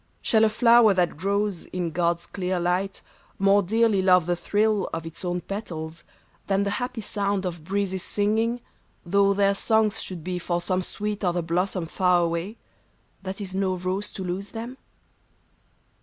Shall a flower that grows In God's clear light, more dearly love the thrill THREE LETTERS. 39 Of its own petals, than the happy sound Of breezes singing, though their songs should be For some sweet other blossom far away, That is no rose to lose them